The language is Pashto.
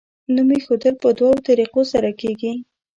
نوم ایښودل په دوو طریقو سره کیږي.